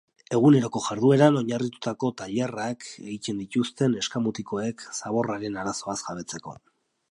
Eguneroko jardueran oinarritutako tailerrak egiten dituzte neska-mutikoek zaborraren arazoaz jabetzeko.